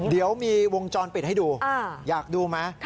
เดี๋ยวมีวงจรปิดให้ดูอยากดูไหม